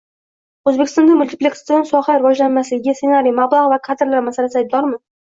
O‘zbekistonda multiplikatsion soha rivojlanmasligiga ssenariy, mablag‘ va kadrlar masalasi aybdormi?